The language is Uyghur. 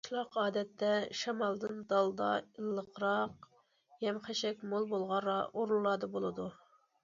قىشلاق ئادەتتە شامالدىن دالدا، ئىللىقراق، يەم- خەشەك مول بولغان ئورۇنلاردا بولىدۇ.